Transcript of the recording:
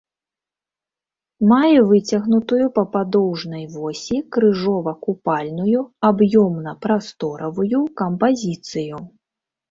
Мае выцягнутую па падоўжнай восі крыжова-купальную аб'ёмна-прасторавую кампазіцыю.